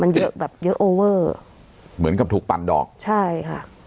มันเยอะแบบเยอะโอเวอร์เหมือนกับถูกปั่นดอกใช่ค่ะ